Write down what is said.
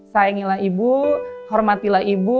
sayangilah ibu hormatilah ibu